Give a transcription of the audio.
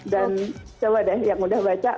dan coba deh yang mudah baca